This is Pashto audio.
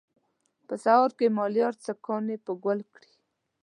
په سهار کې مالیار څه کانې په ګل کړي.